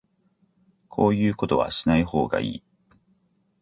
こういうことはしない方がいい